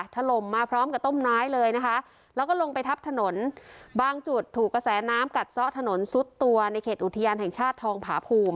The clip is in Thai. ถล่มมาพร้อมกับต้มน้อยเลยนะคะแล้วก็ลงไปทับถนนบางจุดถูกกระแสน้ำกัดซะถนนซุดตัวในเขตอุทยานแห่งชาติทองผาภูมิ